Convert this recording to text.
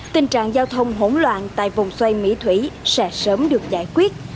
tình trạng giao thông hỗn loạn tại vòng xoay mỹ thủy sẽ sớm được giải quyết